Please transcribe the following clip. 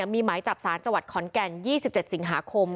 มีหมายจับสารจังหวัดขอนแก่น๒๗สิงหาคม